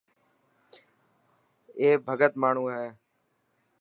اي ڀڳت ماڻهو هي.